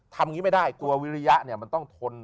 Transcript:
ทำอย่างนี้ไม่ได้ตัววิริยะเนี่ยมันต้องทน